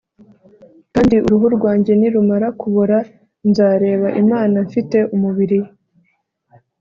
kandi uruhu rwanjye nirumara kubora, nzareba imana mfite umubiri